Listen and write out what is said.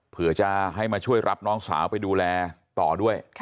เพื่อจะให้มาช่วยรับน้องสาวไปดูแลต่อด้วย